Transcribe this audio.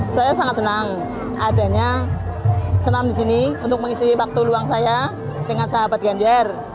saya sangat senang adanya senam di sini untuk mengisi waktu luang saya dengan sahabat ganjar